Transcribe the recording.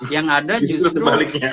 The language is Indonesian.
yang ada justru